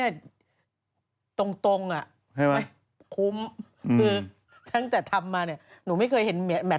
จุ๊กจุ๊กจุ๊กจุ๊กเนี่ยรู้หมด